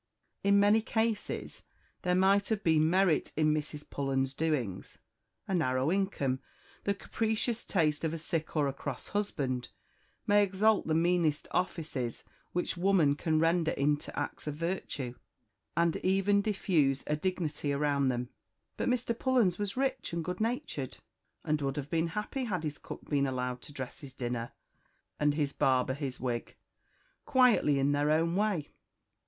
In many cases there might have been merit in Mrs. Pullens's doings a narrow income, the capricious taste of a sick or a cross husband, may exalt the meanest offices which woman can render into acts of virtue, and even diffuse a dignity around them; but Mr. Pullens was rich and good natured, and would have been happy had his cook been allowed to dress his dinner, and his barber his wig, quietly in their own way.